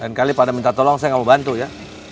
lain kali pada minta tolong saya gak mau bantu ya